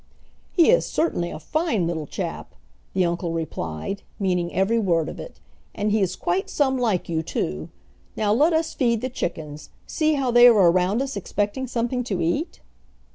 "He is certainly a fine little chap!" the uncle replied, meaning every word of it, "and he is quite some like you too. Now let us feed the chickens. See how they are around us expecting something to eat?"